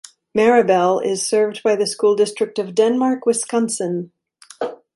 Maribel is served by the School District of Denmark, Wisconsin.